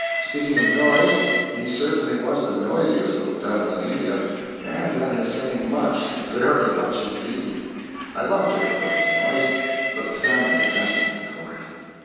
Speaking of noise, he certainly was the noisest little devil in India and that is saying much, very much, indeed. I loved him for his noise, but the family detested him for it.